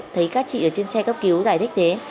thấy các chị ở trên xe cấp cứu giải thích thế